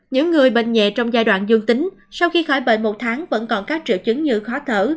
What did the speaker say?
những người bệnh nhẹ trong giai đoạn dương tính sau khi khỏi bệnh một tháng vẫn còn các triệu chứng như khó thở